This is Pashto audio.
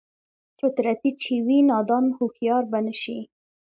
فطرتي چې وي نادان هوښيار به نشي